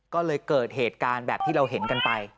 ก็เลยเกิดเหตุการณ์แบบที่เราเห็นกันไป